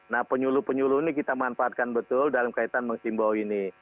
nah penyuluh penyuluh ini kita manfaatkan betul dalam kaitan menghimbau ini